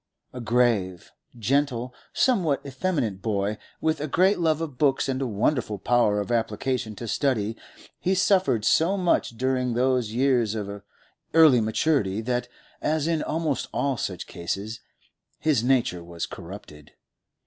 A grave, gentle, somewhat effeminate boy, with a great love of books and a wonderful power of application to study, he suffered so much during those years of early maturity, that, as in almost all such eases, his nature was corrupted.